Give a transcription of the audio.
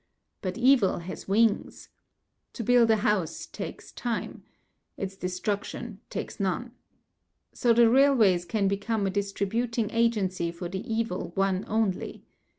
But evil has wings. To build a house takes time. Its destruction takes none. So the railways can become a distributing agency for the evil one only.